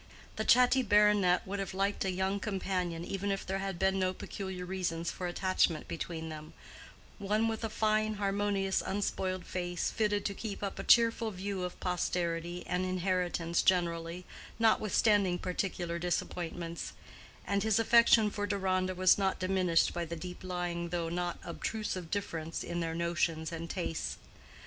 The chatty baronet would have liked a young companion even if there had been no peculiar reasons for attachment between them: one with a fine harmonious unspoiled face fitted to keep up a cheerful view of posterity and inheritance generally, notwithstanding particular disappointments; and his affection for Deronda was not diminished by the deep lying though not obtrusive difference in their notions and tastes.